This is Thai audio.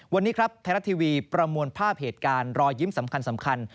วันนี้ครับไทยรัฐทีวีประมวลภาพเหตุการณ์รอยยิ้มสำคัญ